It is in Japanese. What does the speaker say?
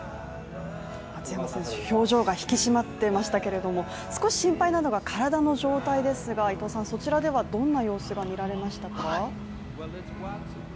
松山選手、表情が引き締まっていましたけれども少し心配なのが体の状態ですがそちらではどんな様子が見られましたか？